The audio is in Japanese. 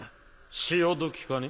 潮時かね？